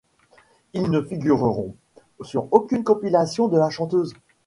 Ils ne figureront sur aucune compilation de la chanteuse.